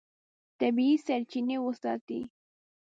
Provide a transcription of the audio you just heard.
طبیعي سرچینې وساتئ.